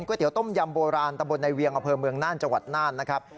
เตี๋ยต้มยำโบราณตะบนในเวียงอำเภอเมืองน่านจังหวัดน่านนะครับ